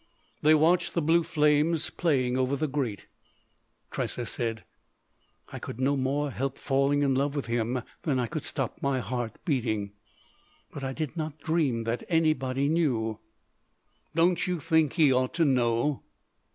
They watched the blue flames playing over the grate. Tressa said: "I could no more help falling in love with him than I could stop my heart beating.... But I did not dream that anybody knew." "Don't you think he ought to know?"